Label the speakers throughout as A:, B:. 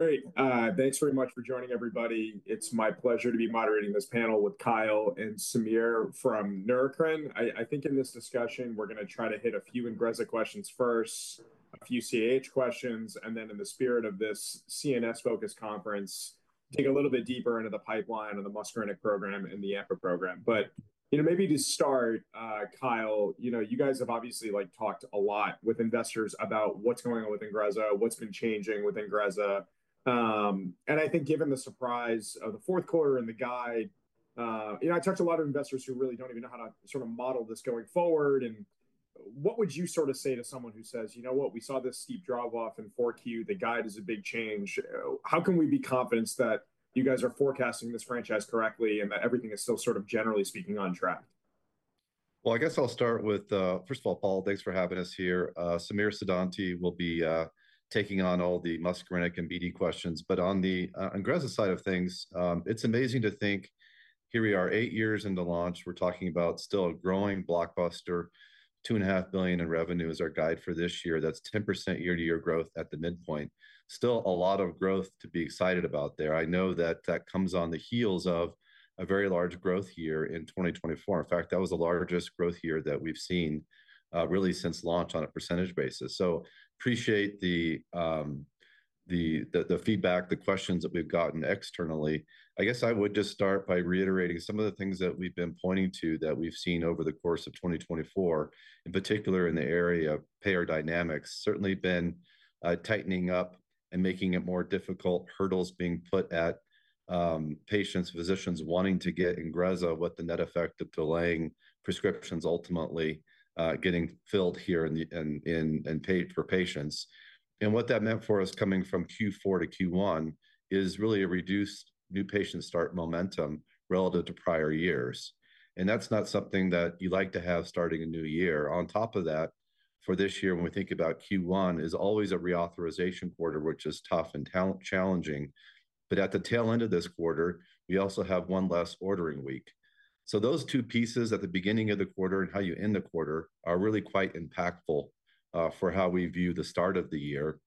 A: Hey, thanks very much for joining, everybody. It's my pleasure to be moderating this panel with Kyle and Samir from Neurocrine. I think in this discussion we're going to try to hit a few Ingrezza questions first, a few CAH questions, and then in the spirit of this CNS-focused conference, dig a little bit deeper into the pipeline and the muscarinic program and the AMPA program. Maybe to start, Kyle, you guys have obviously talked a lot with investors about what's going on with Ingrezza, what's been changing with Ingrezza. I think given the surprise of the fourth quarter and the guide, I talked to a lot of investors who really don't even know how to sort of model this going forward. What would you sort of say to someone who says, you know what, we saw this steep drop-off in Q4, the guide is a big change. How can we be confident that you guys are forecasting this franchise correctly and that everything is still sort of, generally speaking, on track?
B: I guess I'll start with, first of all, Paul, thanks for having us here. Samir Patel will be taking on all the muscarinic and BD questions. On the Ingrezza side of things, it's amazing to think here we are eight years into launch. We're talking about still a growing blockbuster, $2.5 billion in revenue is our guide for this year. That's 10% year-to-year growth at the midpoint. Still a lot of growth to be excited about there. I know that that comes on the heels of a very large growth year in 2024. In fact, that was the largest growth year that we've seen really since launch on a percentage basis. Appreciate the feedback, the questions that we've gotten externally. I guess I would just start by reiterating some of the things that we've been pointing to that we've seen over the course of 2024, in particular in the area of payer dynamics. Certainly been tightening up and making it more difficult, hurdles being put at patients, physicians wanting to get Ingrezza, what the net effect of delaying prescriptions ultimately getting filled here and paid for patients. What that meant for us coming from Q4 to Q1 is really a reduced new patient start momentum relative to prior years. That is not something that you like to have starting a new year. On top of that, for this year, when we think about Q1, it is always a reauthorization quarter, which is tough and challenging. At the tail end of this quarter, we also have one less ordering week. Those two pieces at the beginning of the quarter and how you end the quarter are really quite impactful for how we view the start of the year.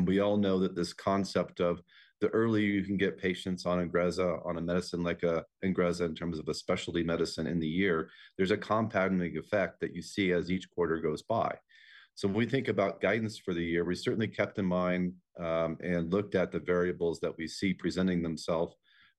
B: We all know that this concept of the earlier you can get patients on Ingrezza, on a medicine like Ingrezza in terms of a specialty medicine in the year, there is a compounding effect that you see as each quarter goes by. When we think about guidance for the year, we certainly kept in mind and looked at the variables that we see presenting themself,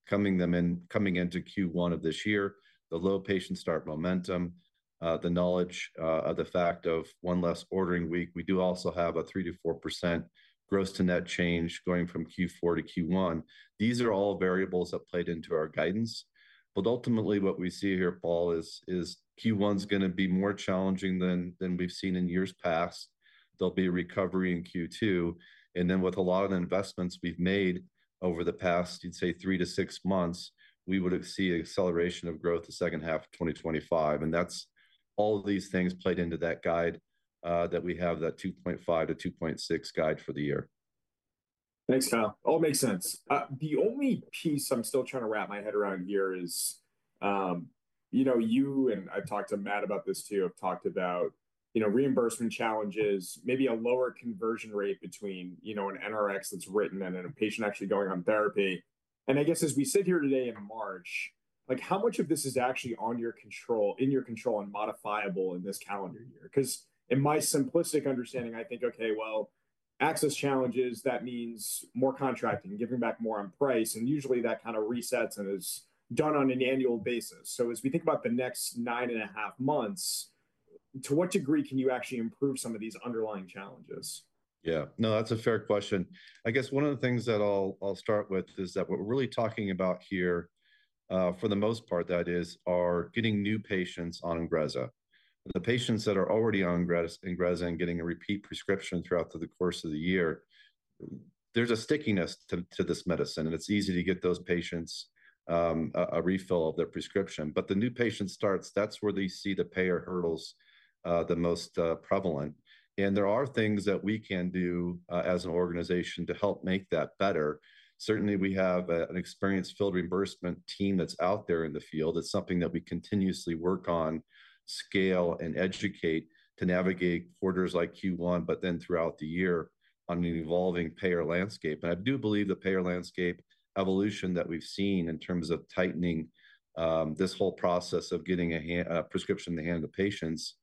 B: coming into Q1 of this year, the low patient start momentum, the knowledge of the fact of one less ordering week. We do also have a 3%-4% gross-to-net change going from Q4 to Q1. These are all variables that played into our guidance. Ultimately what we see here, Paul, is Q1 is going to be more challenging than we've seen in years past. There'll be a recovery in Q2. With a lot of investments we've made over the past, you'd say, three to six months, we would see an acceleration of growth the second half of 2025. That's all these things played into that guide that we have, that $2.5 billion-$2.6 billion guide for the year.
A: Thanks, Kyle. All makes sense. The only piece I'm still trying to wrap my head around here is you and I've talked to Matt about this too, have talked about reimbursement challenges, maybe a lower conversion rate between an NRX that's written and a patient actually going on therapy. I guess as we sit here today in March, how much of this is actually in your control and modifiable in this calendar year? Because in my simplistic understanding, I think, okay, access challenges, that means more contracting, giving back more on price. Usually that kind of resets and is done on an annual basis. As we think about the next nine and a half months, to what degree can you actually improve some of these underlying challenges?
B: Yeah, no, that's a fair question. I guess one of the things that I'll start with is that what we're really talking about here, for the most part, that is, are getting new patients on Ingrezza. The patients that are already on Ingrezza and getting a repeat prescription throughout the course of the year, there's a stickiness to this medicine. It's easy to get those patients a refill of their prescription. The new patient starts, that's where they see the payer hurdles the most prevalent. There are things that we can do as an organization to help make that better. Certainly, we have an experienced field reimbursement team that's out there in the field. It's something that we continuously work on, scale, and educate to navigate quarters like Q1, but then throughout the year on an evolving payer landscape. I do believe the payer landscape evolution that we've seen in terms of tightening this whole process of getting a prescription in the hand of patients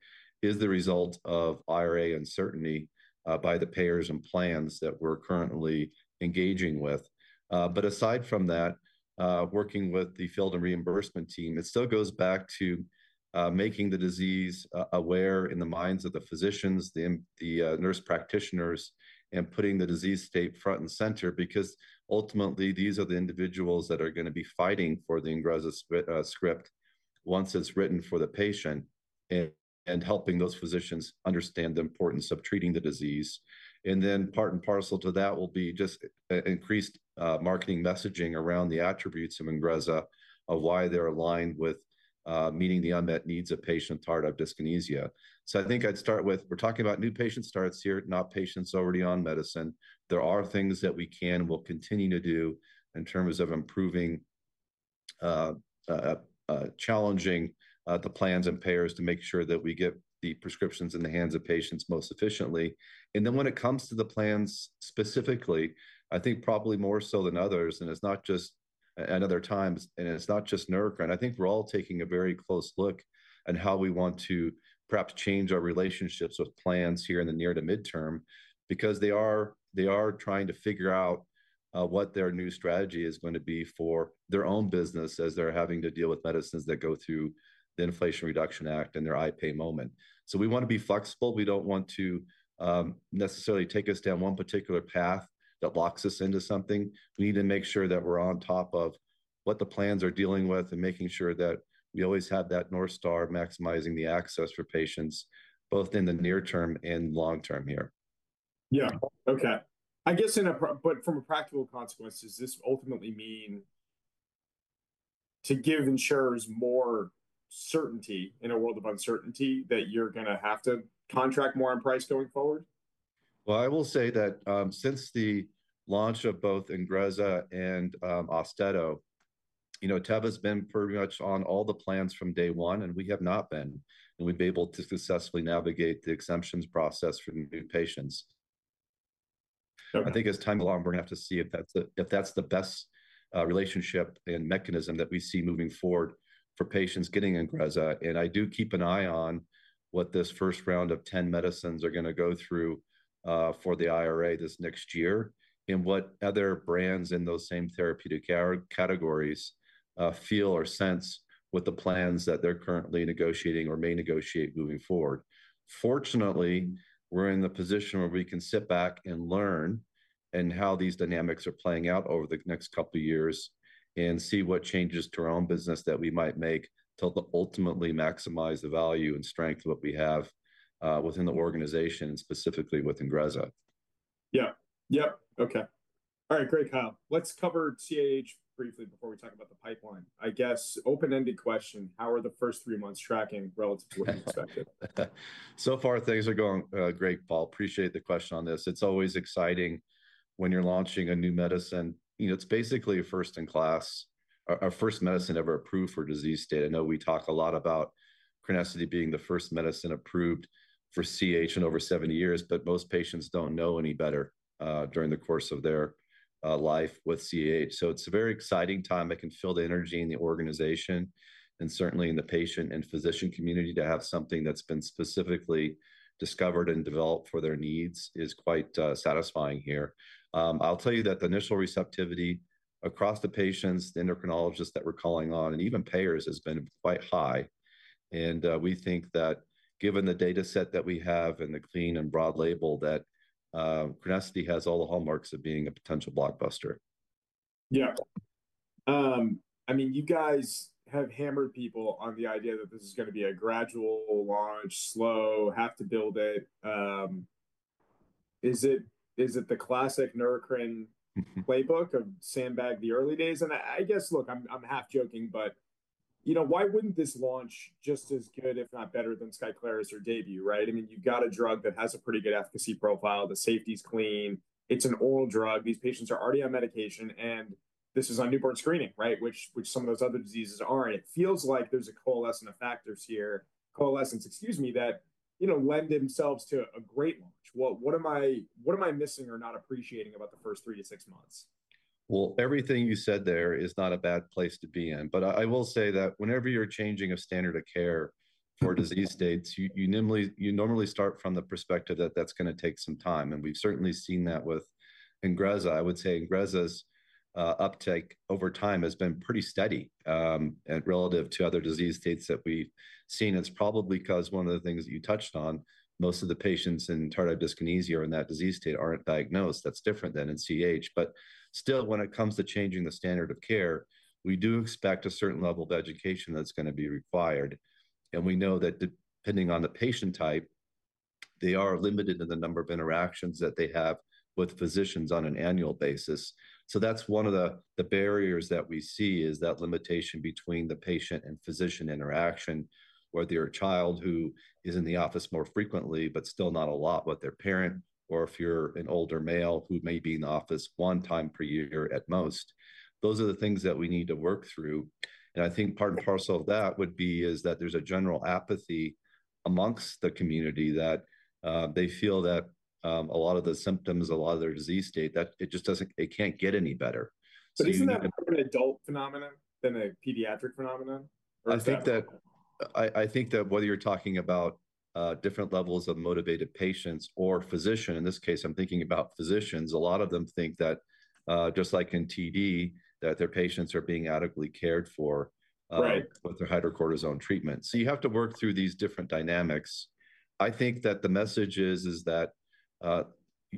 B: is the result of IRA uncertainty by the payers and plans that we're currently engaging with. Aside from that, working with the field and reimbursement team, it still goes back to making the disease aware in the minds of the physicians, the nurse practitioners, and putting the disease state front and center because ultimately these are the individuals that are going to be fighting for the Ingrezza script once it's written for the patient and helping those physicians understand the importance of treating the disease. Part and parcel to that will be just increased marketing messaging around the attributes of Ingrezza, of why they're aligned with meeting the unmet needs of patients with tardive dyskinesia. I think I'd start with, we're talking about new patient starts here, not patients already on medicine. There are things that we can and will continue to do in terms of improving, challenging the plans and payers to make sure that we get the prescriptions in the hands of patients most efficiently. Then when it comes to the plans specifically, I think probably more so than others, and it's not just, and other times, and it's not just Neurocrine, I think we're all taking a very close look at how we want to perhaps change our relationships with plans here in the near to midterm because they are trying to figure out what their new strategy is going to be for their own business as they're having to deal with medicines that go through the Inflation Reduction Act and their IPAY moment. We want to be flexible. We don't want to necessarily take us down one particular path that locks us into something. We need to make sure that we're on top of what the plans are dealing with and making sure that we always have that North Star maximizing the access for patients both in the near term and long term here.
A: Yeah, okay. I guess from a practical consequence, does this ultimately mean to give insurers more certainty in a world of uncertainty that you're going to have to contract more on price going forward?
B: I will say that since the launch of both Ingrezza and Austedo, Teva has been pretty much on all the plans from day one, and we have not been, and we've been able to successfully navigate the exemptions process for new patients. I think as time goes on, we're going to have to see if that's the best relationship and mechanism that we see moving forward for patients getting Ingrezza. I do keep an eye on what this first round of 10 medicines are going to go through for the IRA this next year and what other brands in those same therapeutic categories feel or sense with the plans that they're currently negotiating or may negotiate moving forward. Fortunately, we're in the position where we can sit back and learn how these dynamics are playing out over the next couple of years and see what changes to our own business that we might make to ultimately maximize the value and strength of what we have within the organization, specifically with Ingrezza.
A: Yeah, yep, okay. All right, great, Kyle. Let's cover CAH briefly before we talk about the pipeline. I guess open-ended question, how are the first three months tracking relative to what you expected?
B: Far, things are going great, Paul. Appreciate the question on this. It's always exciting when you're launching a new medicine. It's basically a first-in-class, our first medicine ever approved for disease state. I know we talk a lot about crinecerfont being the first medicine approved for CAH in over 70 years, but most patients don't know any better during the course of their life with CAH. It is a very exciting time. You can feel the energy in the organization and certainly in the patient and physician community to have something that's been specifically discovered and developed for their needs is quite satisfying here. I'll tell you that the initial receptivity across the patients, the endocrinologists that we're calling on, and even payers has been quite high. We think that given the data set that we have and the clean and broad label that crinecerfont has all the hallmarks of being a potential blockbuster.
A: Yeah. I mean, you guys have hammered people on the idea that this is going to be a gradual launch, slow, have to build it. Is it the classic Neurocrine playbook of sandbag the early days? I guess, look, I'm half joking, but why wouldn't this launch just as good, if not better than Skyclarys or Daybue, right? I mean, you've got a drug that has a pretty good efficacy profile. The safety is clean. It's an oral drug. These patients are already on medication. This is on newborn screening, right, which some of those other diseases aren't. It feels like there's a coalescence of factors here, coalescence, excuse me, that lend themselves to a great launch. What am I missing or not appreciating about the first three to six months?
B: Everything you said there is not a bad place to be in. I will say that whenever you're changing a standard of care for disease states, you normally start from the perspective that that's going to take some time. We've certainly seen that with Ingrezza. I would say Ingrezza's uptake over time has been pretty steady relative to other disease states that we've seen. It's probably because one of the things that you touched on, most of the patients in tardive dyskinesia or in that disease state aren't diagnosed. That's different than in CAH. Still, when it comes to changing the standard of care, we do expect a certain level of education that's going to be required. We know that depending on the patient type, they are limited in the number of interactions that they have with physicians on an annual basis. That is one of the barriers that we see, that limitation between the patient and physician interaction, whether you're a child who is in the office more frequently, but still not a lot with their parent, or if you're an older male who may be in the office one time per year at most. Those are the things that we need to work through. I think part and parcel of that is that there's a general apathy amongst the community, that they feel that a lot of the symptoms, a lot of their disease state, that it just doesn't, it can't get any better.
A: Isn't that more of an adult phenomenon than a pediatric phenomenon?
B: I think that whether you're talking about different levels of motivated patients or physician, in this case, I'm thinking about physicians, a lot of them think that just like in TD, that their patients are being adequately cared for with their hydrocortisone treatment. You have to work through these different dynamics. I think that the message is that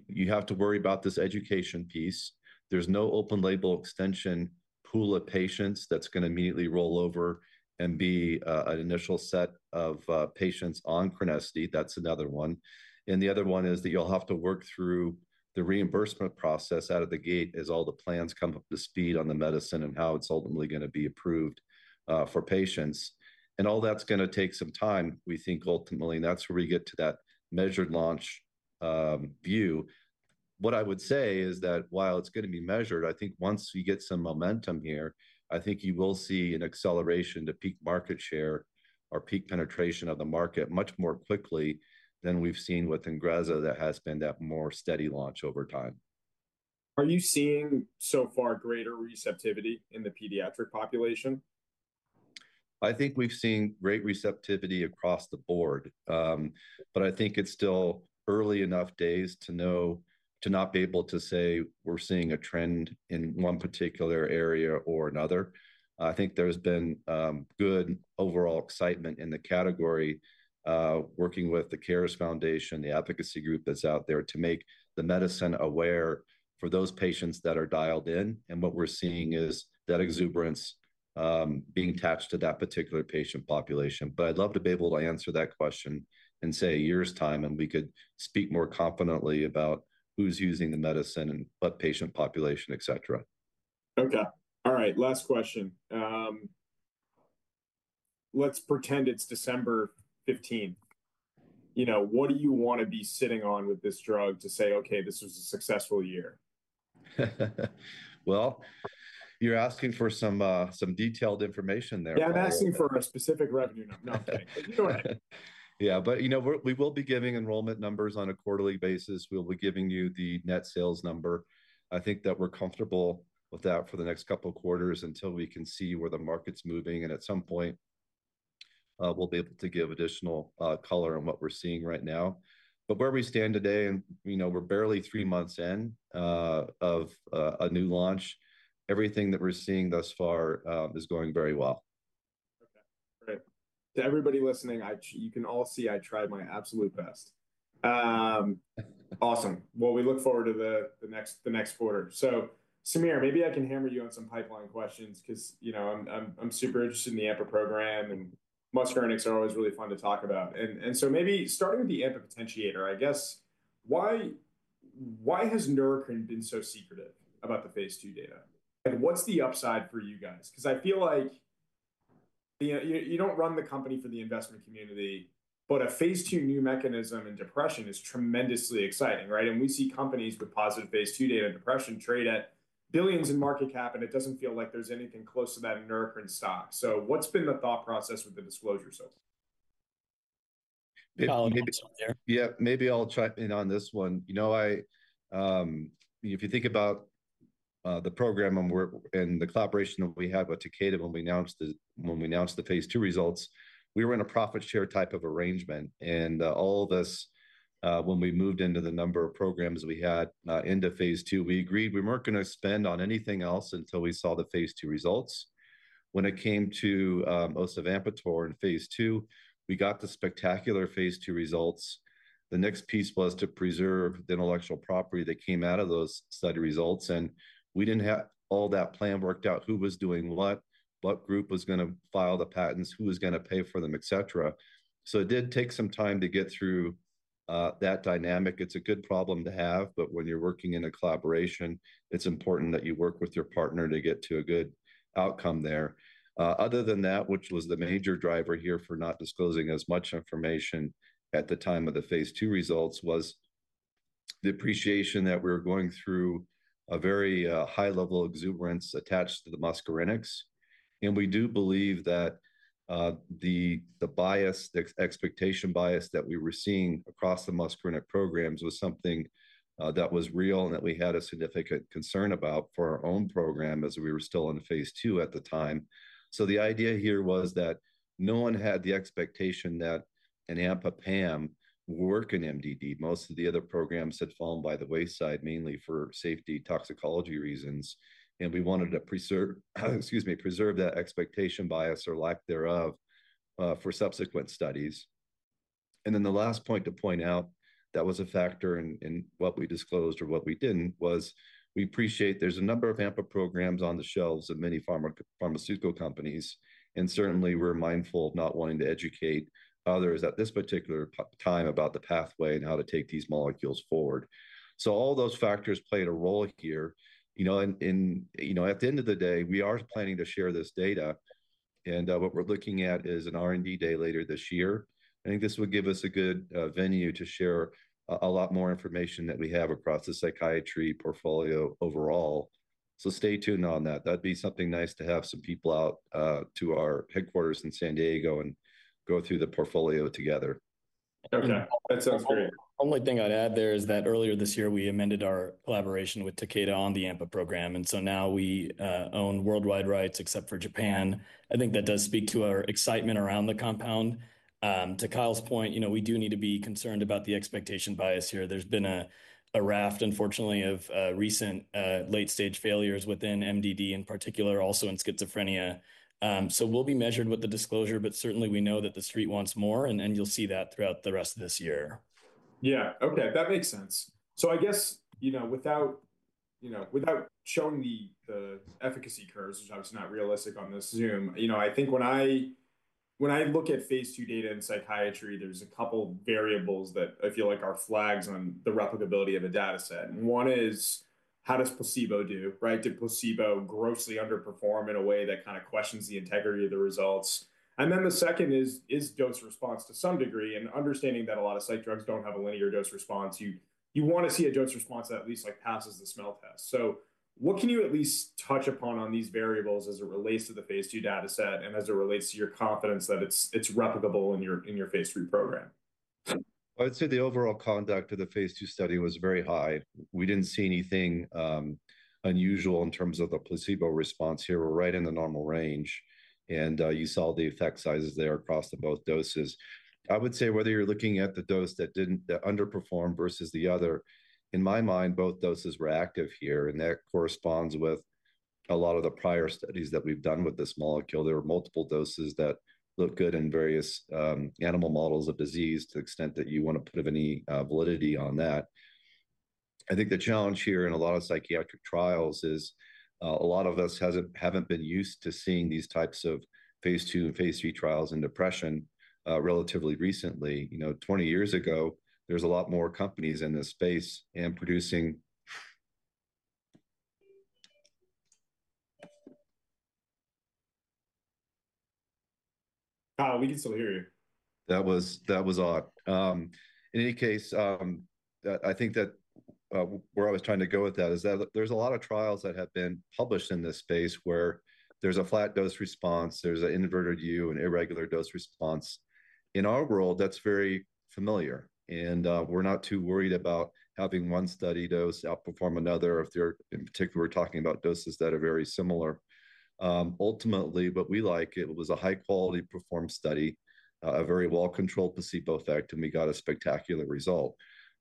B: you have to worry about this education piece. There is no open label extension pool of patients that's going to immediately roll over and be an initial set of patients on crinecerfont. That's another one. The other one is that you'll have to work through the reimbursement process out of the gate as all the plans come up to speed on the medicine and how it's ultimately going to be approved for patients. All that's going to take some time, we think ultimately. That is where we get to that measured launch view. What I would say is that while it is going to be measured, I think once we get some momentum here, I think you will see an acceleration to peak market share or peak penetration of the market much more quickly than we have seen with Ingrezza that has been that more steady launch over time.
A: Are you seeing so far greater receptivity in the pediatric population?
B: I think we've seen great receptivity across the board. I think it's still early enough days to not be able to say we're seeing a trend in one particular area or another. I think there's been good overall excitement in the category working with the CARES Foundation, the advocacy group that's out there to make the medicine aware for those patients that are dialed in. What we're seeing is that exuberance being attached to that particular patient population. I'd love to be able to answer that question in, say, a year's time, and we could speak more confidently about who's using the medicine and what patient population, et cetera.
A: Okay. All right, last question. Let's pretend it's December 15. What do you want to be sitting on with this drug to say, okay, this was a successful year?
B: You're asking for some detailed information there.
A: Yeah, I'm asking for a specific revenue number.
B: Yeah, we will be giving enrollment numbers on a quarterly basis. We'll be giving you the net sales number. I think that we're comfortable with that for the next couple of quarters until we can see where the market's moving. At some point, we'll be able to give additional color on what we're seeing right now. Where we stand today, and we're barely three months in of a new launch, everything that we're seeing thus far is going very well.
A: Okay, great. To everybody listening, you can all see I tried my absolute best. Awesome. We look forward to the next quarter. Samir, maybe I can hammer you on some pipeline questions because I'm super interested in the AMPA program, and muscarinics are always really fun to talk about. Maybe starting with the AMPA potentiator, I guess, why has Neurocrine been so secretive about the phase II data? What's the upside for you guys? I feel like you don't run the company for the investment community, but a phase II new mechanism in depression is tremendously exciting, right? We see companies with positive phase II data in depression trade at billions in market cap, and it doesn't feel like there's anything close to that in Neurocrine stock. What's been the thought process with the disclosure so far?
B: Yep, maybe I'll chime in on this one. You know, if you think about the program and the collaboration that we had with Takeda when we announced the phase II results, we were in a profit share type of arrangement. All this, when we moved into the number of programs we had into phase II, we agreed we weren't going to spend on anything else until we saw the phase II results. When it came to our AMPA potentiator in phase II, we got the spectacular phase II results. The next piece was to preserve the intellectual property that came out of those study results. We didn't have all that plan worked out, who was doing what, what group was going to file the patents, who was going to pay for them, et cetera. It did take some time to get through that dynamic. It's a good problem to have, but when you're working in a collaboration, it's important that you work with your partner to get to a good outcome there. Other than that, which was the major driver here for not disclosing as much information at the time of the phaseII results, was the appreciation that we were going through a very high level of exuberance attached to the muscarinics. We do believe that the bias, the expectation bias that we were seeing across the muscarinic programs was something that was real and that we had a significant concern about for our own program as we were still in phase II at the time. The idea here was that no one had the expectation that an AMPA/PAM would work in MDD. Most of the other programs had fallen by the wayside mainly for safety toxicology reasons. We wanted to, excuse me, preserve that expectation bias or lack thereof for subsequent studies. The last point to point out that was a factor in what we disclosed or what we did not was we appreciate there is a number of AMPA programs on the shelves of many pharmaceutical companies. Certainly, we are mindful of not wanting to educate others at this particular time about the pathway and how to take these molecules forward. All those factors played a role here. At the end of the day, we are planning to share this data. What we are looking at is an R&D day later this year. I think this would give us a good venue to share a lot more information that we have across the psychiatry portfolio overall. Stay tuned on that. That'd be something nice to have some people out to our headquarters in San Diego and go through the portfolio together.
A: Okay, that sounds great.
C: The only thing I'd add there is that earlier this year, we amended our collaboration with Takeda on the AMPA program. Now we own worldwide rights except for Japan. I think that does speak to our excitement around the compound. To Kyle's point, you know we do need to be concerned about the expectation bias here. There's been a raft, unfortunately, of recent late-stage failures within MDD in particular, also in schizophrenia. We'll be measured with the disclosure, but certainly we know that the street wants more, and you'll see that throughout the rest of this year.
A: Yeah, okay, that makes sense. I guess, you know, without showing the efficacy curves, which is obviously not realistic on this Zoom, you know I think when I look at phase IIdata in psychiatry, there's a couple of variables that I feel like are flags on the replicability of a data set. One is how does placebo do, right? Did placebo grossly underperform in a way that kind of questions the integrity of the results? The second is dose response to some degree. Understanding that a lot of psych drugs don't have a linear dose response, you want to see a dose response that at least passes the smell test. What can you at least touch upon on these variables as it relates to the phase II data set and as it relates to your confidence that it's replicable in your phase III program?
B: I would say the overall conduct of the phase II study was very high. We did not see anything unusual in terms of the placebo response here. We are right in the normal range. You saw the effect sizes there across both doses. I would say whether you are looking at the dose that did not underperform versus the other, in my mind, both doses were active here. That corresponds with a lot of the prior studies that we have done with this molecule. There were multiple doses that look good in various animal models of disease to the extent that you want to put any validity on that. I think the challenge here in a lot of psychiatric trials is a lot of us have not been used to seeing these types of phase II and phase II trials in depression relatively recently. You know, 20 years ago, there's a lot more companies in this space and producing.
A: Kyle, we can still hear you.
B: That was odd. In any case, I think that where I was trying to go with that is that there's a lot of trials that have been published in this space where there's a flat dose response. There's an inverted U, an irregular dose response. In our world, that's very familiar. We're not too worried about having one study dose outperform another if they're in particular talking about doses that are very similar. Ultimately, what we like, it was a high-quality performed study, a very well-controlled placebo effect, and we got a spectacular result.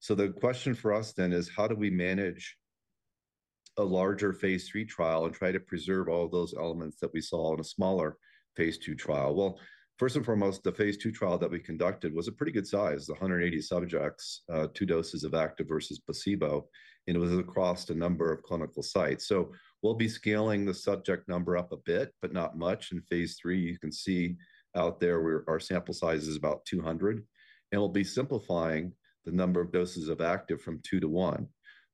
B: The question for us then is how do we manage a larger phase III trial and try to preserve all those elements that we saw in a smaller phase II trial? First and foremost, the phase II trial that we conducted was a pretty good size, 180 subjects, two doses of active versus placebo. It was across a number of clinical sites. We will be scaling the subject number up a bit, but not much. In phase III, you can see out there where our sample size is about 200. We will be simplifying the number of doses of active from two to one.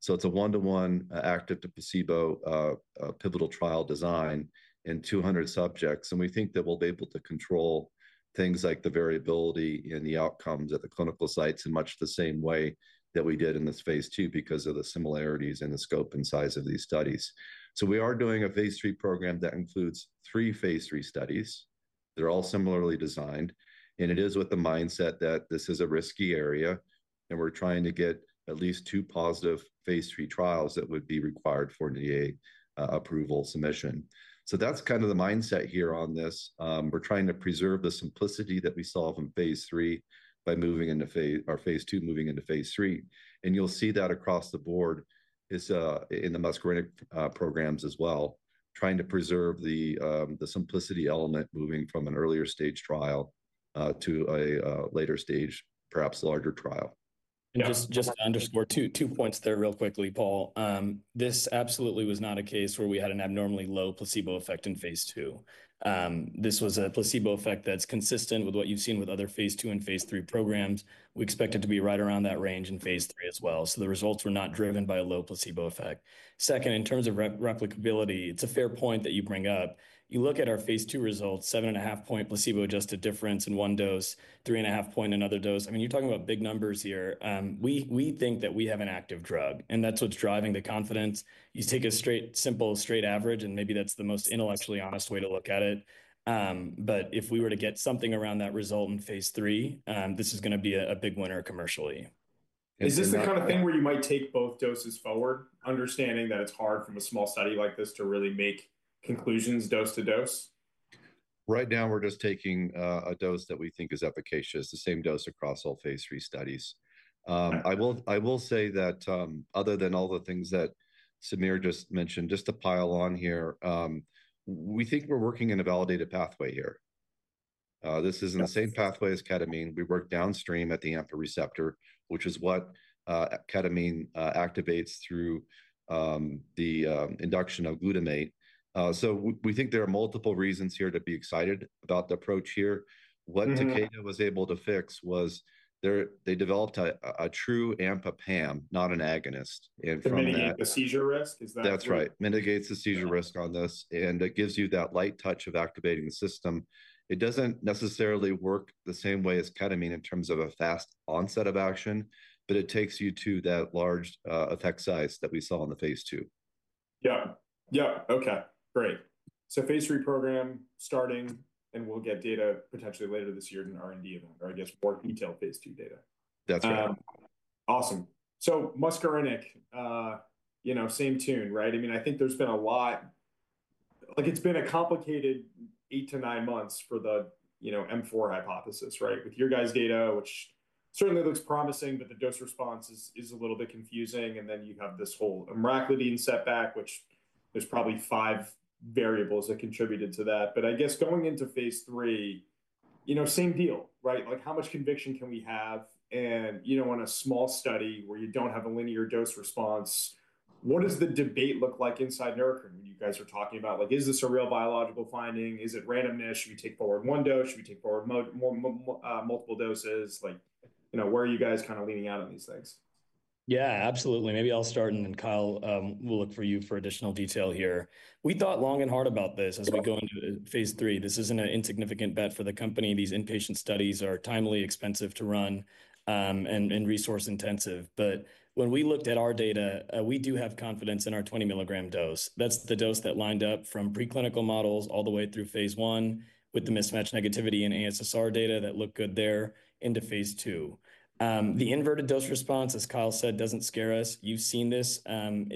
B: It is a one-to-one active to placebo pivotal trial design in 200 subjects. We think that we will be able to control things like the variability in the outcomes at the clinical sites in much the same way that we did in this phase II because of the similarities in the scope and size of these studies. We are doing a phase III program that includes three phase III studies. They are all similarly designed. It is with the mindset that this is a risky area. We are trying to get at least two positive phase III trials that would be required for an NDA approval submission. That is kind of the mindset here on this. We are trying to preserve the simplicity that we saw from phase III by moving into our phase II, moving into phase III. You will see that across the board in the muscarinic programs as well, trying to preserve the simplicity element moving from an earlier stage trial to a later stage, perhaps larger trial.
C: Just to underscore two points there real quickly, Paul, this absolutely was not a case where we had an abnormally low placebo effect in phase II. This was a placebo effect that's consistent with what you've seen with other phase II and phase III programs. We expect it to be right around that range in phase III as well. The results were not driven by a low placebo effect. Second, in terms of replicability, it's a fair point that you bring up. You look at our phase II results, seven and a half point placebo adjusted difference in one dose, three and a half point in another dose. I mean, you're talking about big numbers here. We think that we have an active drug. That's what's driving the confidence. You take a simple straight average, and maybe that's the most intellectually honest way to look at it. If we were to get something around that result in phase III, this is going to be a big winner commercially.
A: Is this the kind of thing where you might take both doses forward, understanding that it's hard from a small study like this to really make conclusions dose to dose?
B: Right now, we're just taking a dose that we think is efficacious, the same dose across all phase III studies. I will say that other than all the things that Samir just mentioned, just to pile on here, we think we're working in a validated pathway here. This is in the same pathway as ketamine. We work downstream at the AMPA receptor, which is what ketamine activates through the induction of glutamate. We think there are multiple reasons here to be excited about the approach here. What Takeda was able to fix was they developed a true AMPA/PAM, not an agonist.
A: Mitigate the seizure risk? Is that?
B: That's right. Mitigates the seizure risk on this. It gives you that light touch of activating the system. It doesn't necessarily work the same way as ketamine in terms of a fast onset of action, but it takes you to that large effect size that we saw in the phase II.
A: Yeah, yeah, okay, great. phase III program starting, and we'll get data potentially later this year in an R&D event, or I guess more detailed phase II data.
B: That's right.
A: Awesome. Muscarinic, you know, same tune, right? I mean, I think there's been a lot. Like it's been a complicated eight to nine months for the M4 hypothesis, right? With your guys' data, which certainly looks promising, but the dose response is a little bit confusing. You have this whole emraclidine setback, which there's probably five variables that contributed to that. I guess going into phase III, you know, same deal, right? Like how much conviction can we have? You know, in a small study where you don't have a linear dose response, what does the debate look like inside Neurocrine when you guys are talking about, like, is this a real biological finding? Is it randomness? Should we take forward one dose? Should we take forward multiple doses? You know, where are you guys kind of leaning out on these things?
C: Yeah, absolutely. Maybe I'll start, and then Kyle will look for you for additional detail here. We thought long and hard about this as we go into phase III. This isn't an insignificant bet for the company. These inpatient studies are timely, expensive to run, and resource-intensive. When we looked at our data, we do have confidence in our 20 milligram dose. That's the dose that lined up from preclinical models all the way through phase I with the mismatch negativity in ASSR data that looked good there into phase II. The inverted U dose response, as Kyle said, doesn't scare us. You've seen this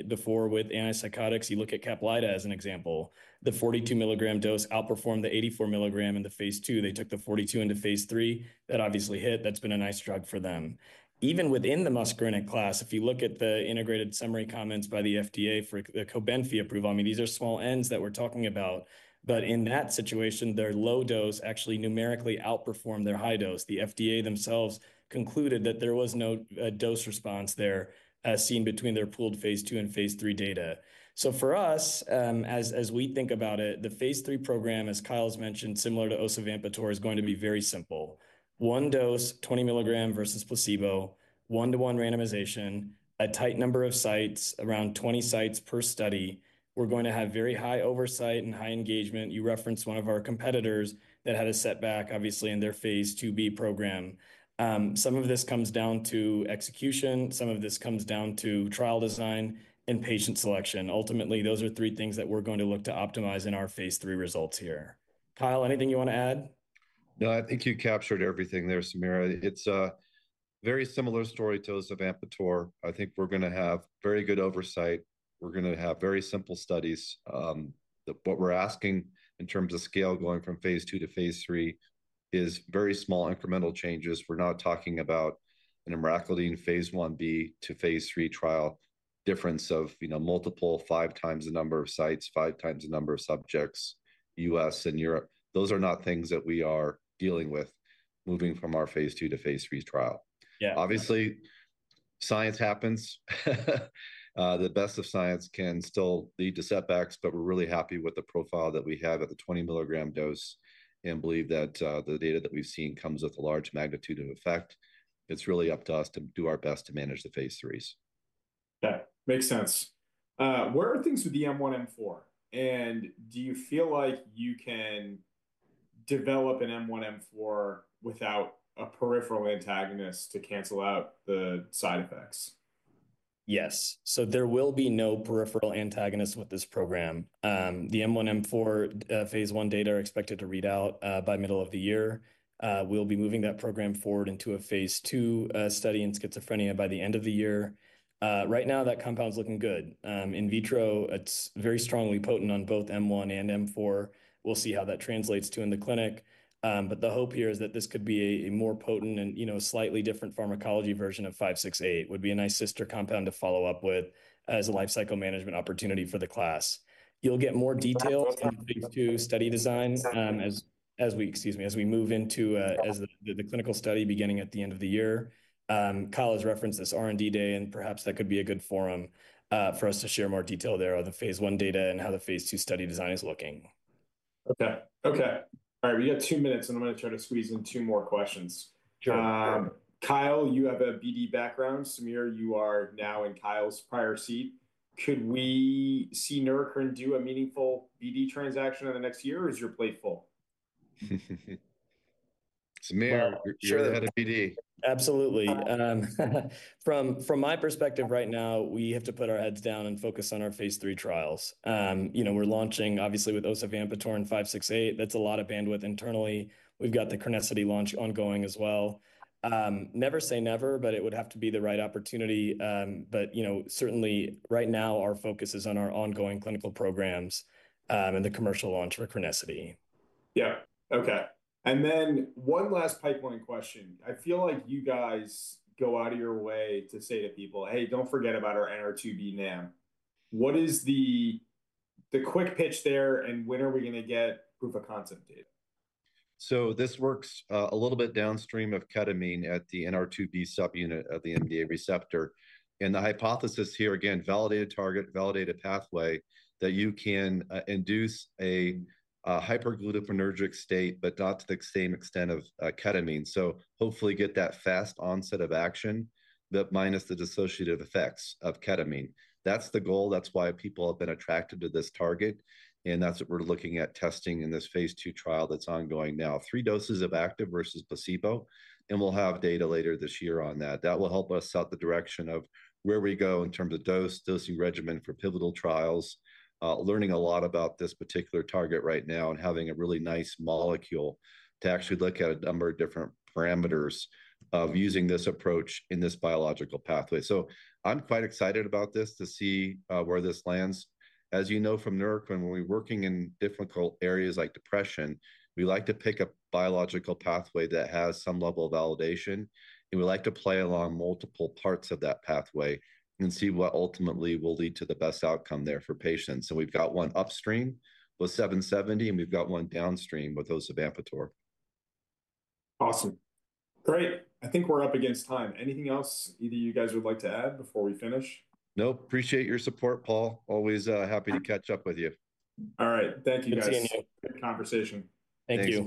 C: before with antipsychotics. You look at Caplyta as an example. The 42 milligram dose outperformed the 84 milligram in the phase II. They took the 42 into phase III. That obviously hit. That's been a nice drug for them. Even within the muscarinic class, if you look at the integrated summary comments by the FDA for the Cobenfy approval, I mean, these are small ends that we're talking about. In that situation, their low dose actually numerically outperformed their high dose. The FDA themselves concluded that there was no dose response there seen between their pooled phase II and phase III data. For us, as we think about it, the phase III program, as Kyle's mentioned, similar to osavampator, is going to be very simple. One dose, 20 milligram versus placebo, one-to-one randomization, a tight number of sites, around 20 sites per study. We're going to have very high oversight and high engagement. You referenced one of our competitors that had a setback, obviously, in their phase II-B program. Some of this comes down to execution. Some of this comes down to trial design and patient selection. Ultimately, those are three things that we're going to look to optimize in our phase III results here. Kyle, anything you want to add?
B: No, I think you captured everything there, Samir. It's a very similar story to osavampator. I think we're going to have very good oversight. We're going to have very simple studies. What we're asking in terms of scale going from phase II to phase III is very small incremental changes. We're not talking about an emraclidine phase I-B to phase III trial difference of, you know, multiple, five times the number of sites, five times the number of subjects, US and Europe. Those are not things that we are dealing with moving from our phase II to phase III trial. Obviously, science happens. The best of science can still lead to setbacks, but we're really happy with the profile that we have at the 20 milligram dose and believe that the data that we've seen comes with a large magnitude of effect. It's really up to us to do our best to manage the phase III.
A: Okay, makes sense. Where are things with the M1, M4? Do you feel like you can develop an M1, M4 without a peripheral antagonist to cancel out the side effects?
C: Yes. There will be no peripheral antagonist with this program. The M1, M4 phase I data are expected to read out by middle of the year. We'll be moving that program forward into a phase II study in schizophrenia by the end of the year. Right now, that compound's looking good. In vitro, it's very strongly potent on both M1 and M4. We'll see how that translates to in the clinic. The hope here is that this could be a more potent and, you know, slightly different pharmacology version of 568. It would be a nice sister compound to follow up with as a lifecycle management opportunity for the class. You'll get more detail in phase two study design as we, excuse me, as we move into the clinical study beginning at the end of the year. Kyle has referenced this R&D day, and perhaps that could be a good forum for us to share more detail there on the phase one data and how the phase two study design is looking.
A: Okay, okay. All right, we got two minutes, and I'm going to try to squeeze in two more questions. Kyle, you have a BD background. Samir, you are now in Kyle's prior seat. Could we see Neurocrine do a meaningful BD transaction in the next year, or is your plate full?
B: Samir, you're sure they had a BD.
C: Absolutely. From my perspective right now, we have to put our heads down and focus on our phase three trials. You know, we're launching, obviously, with osavampator and 568. That's a lot of bandwidth internally. We've got the crinecerfont launch ongoing as well. Never say never, it would have to be the right opportunity. You know, certainly right now, our focus is on our ongoing clinical programs and the commercial launch for crinecerfont.
A: Yeah, okay. One last pipeline question. I feel like you guys go out of your way to say to people, "Hey, don't forget about our NR2B NAM." What is the quick pitch there, and when are we going to get proof of concept data?
B: This works a little bit downstream of ketamine at the NR2B subunit of the NMDA receptor. The hypothesis here, again, validated target, validated pathway, is that you can induce a hyperglutaminergic state, but not to the same extent as ketamine. Hopefully, you get that fast onset of action, but minus the dissociative effects of ketamine. That is the goal. That is why people have been attracted to this target. That is what we are looking at testing in this phase two trial that is ongoing now, three doses of active versus placebo. We will have data later this year on that. That will help us set the direction of where we go in terms of dose, dosing regimen for pivotal trials, learning a lot about this particular target right now and having a really nice molecule to actually look at a number of different parameters of using this approach in this biological pathway. I'm quite excited about this to see where this lands. As you know from Neurocrine, when we're working in difficult areas like depression, we like to pick a biological pathway that has some level of validation. We like to play along multiple parts of that pathway and see what ultimately will lead to the best outcome there for patients. We've got one upstream with 770, and we've got one downstream with osavampator.
A: Awesome. Great. I think we're up against time. Anything else either you guys would like to add before we finish?
B: Nope. Appreciate your support, Paul. Always happy to catch up with you.
A: All right. Thank you, guys. Good conversation.
C: Thank you.